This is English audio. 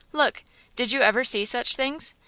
Look! Did you ever see such things?"